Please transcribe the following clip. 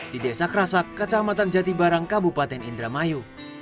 di desa kerasak kecamatan jatibarang kabupaten indramayu